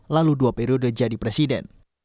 lalu dua periode jadi presiden